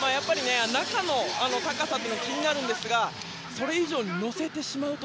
中の高さというのが気になるんですがそれ以上に乗せてしまうと